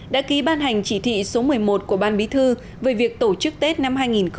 đã ký ban hành chỉ thị số một mươi một của ban bí thư về việc tổ chức tết năm hai nghìn hai mươi